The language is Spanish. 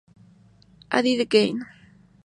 I did it again".